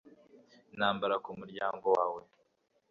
intambara ku muryango wawe